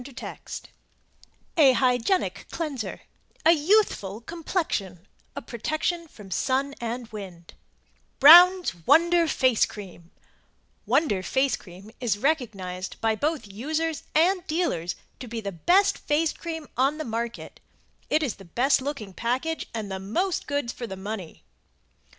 ] A HYGIENIC CLEANSER A YOUTHFUL COMPLEXION A PROTECTION FROM SUN AND WIND Brown's Wonder FACE CREAM Wonder Face Cream is recognized by both users and dealers to be the best face cream on the market, is the best looking package and the most goods for the money.